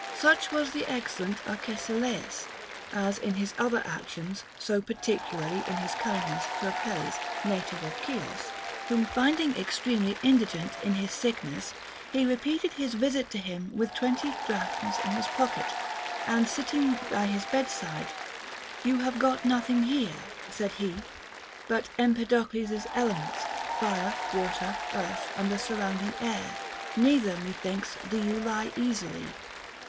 Such Mas the excellent Arcesilaus, as in his other actions, so particu larly in his kindness to Apelles, native of Chios, whom finding extremely indigent in his sickness, he repeated his visit to him with twenty drachms in his pocket ; and sit ting by his bedside, You have got nothing here, said he, but Empedocles's elements, fire, water, earth, and the sur rounding air ; neither, methinks, do you lie easily.